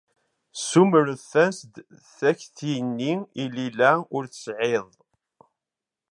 Ssumrent-as-d takti-nni i Lila u Saɛid.